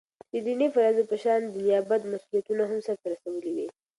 دديني فرائضو په شان دنيابت مسؤليتونه هم سرته رسوي ولي